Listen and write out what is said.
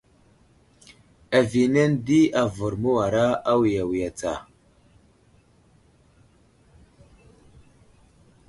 Aviyenene di avər məwara awiya tsa.